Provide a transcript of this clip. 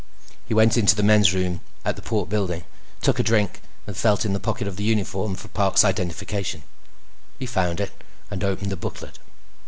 He went into the men's room at the Port Building, took a drink, and felt in the pockets of the uniform for Parks' identification. He found it and opened the booklet.